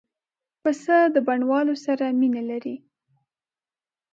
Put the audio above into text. پسه د بڼوالو سره مینه لري.